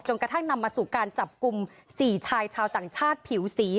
กระทั่งนำมาสู่การจับกลุ่ม๔ชายชาวต่างชาติผิวสี